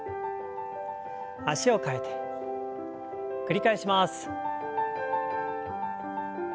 脚を替えて繰り返します。